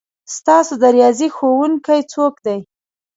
ستاسو د ریاضي ښؤونکی څوک دی؟